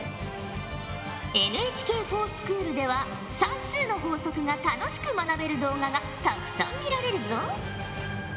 ＮＨＫｆｏｒＳｃｈｏｏｌでは算数の法則が楽しく学べる動画がたくさん見られるぞ。